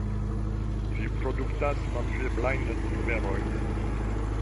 Ĝi produktas manĝeblajn tuberojn.